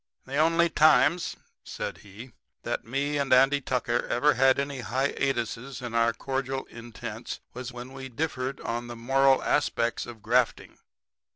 "The only times," said he, "that me and Andy Tucker ever had any hiatuses in our cordial intents was when we differed on the moral aspects of grafting.